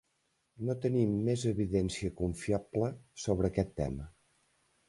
No tenim més evidència confiable sobre aquest tema.